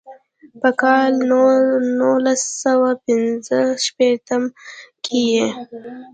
پۀ کال نولس سوه پينځه شپيتم کښې ئې